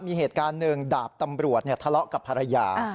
มีเหตุการณ์หนึ่งดาบตำรวจทะเลาะกับภรรยา